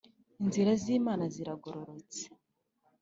Inzira z’Imana ziragororotse